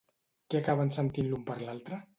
Què acaben sentint l'un per l'altre?